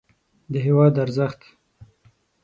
د هېواد ارزښت